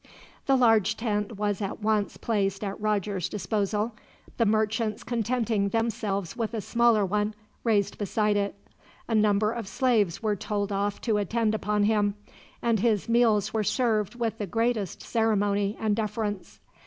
The large tent was at once placed at Roger's disposal, the merchants contenting themselves with a smaller one, raised beside it. A number of slaves were told off to attend upon him, and his meals were served with the greatest ceremony and deference.